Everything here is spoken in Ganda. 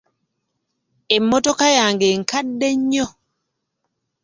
Emmotoka yange nkadde nnyo.